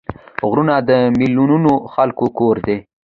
غرونه د میلیونونو خلکو کور دی